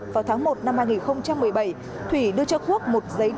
vào tháng một năm hai nghìn một mươi bảy thủy đưa cho quốc một giấy